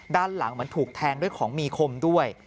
ด้านหลังเหมือนถูกแทงด้วยของมีคมด้วย